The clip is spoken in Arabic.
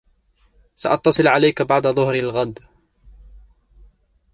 سأتصل عليك بعد ظهر الغد.